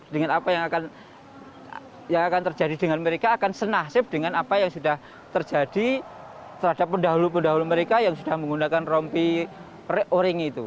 dengan apa yang akan terjadi dengan mereka akan senasib dengan apa yang sudah terjadi terhadap pendahulu pendahulu mereka yang sudah menggunakan rompi oring itu